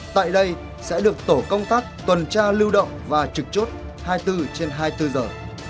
tại đây sẽ được tổ công tác tuần tra lưu động và trực chốt hai mươi bốn trên hai mươi bốn giờ